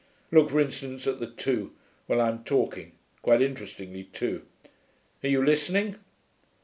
Look, for instance, at you two, while I'm talking (quite interestingly, too); are you listening?